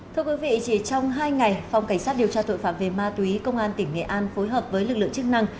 thưa quý vị chỉ trong hai ngày phòng cảnh sát điều tra tội phạm về ma túy công an tỉnh nghệ an phối hợp với lực lượng chức năng